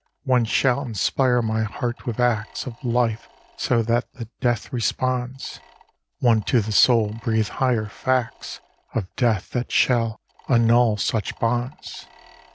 One shall inspire my heart with acts Of life so that the death responds; One to the soul breathe higher facts Of death that shall annul such bonds.